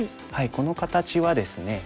この形はですね